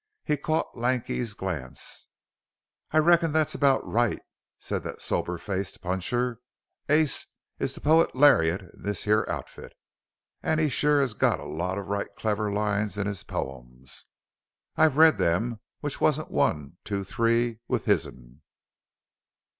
He caught Lanky's glance. "I reckon that's about right," said that sober faced puncher; "Ace is the pote lariat of this here outfit, an' he sure has got a lot of right clever lines in his pomes. I've read them which wasn't one two three with his'n."